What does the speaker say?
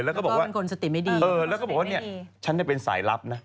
แล้วก็บอกว่าแล้วก็บอกว่าเนี่ยฉันได้เป็นสายลับนะ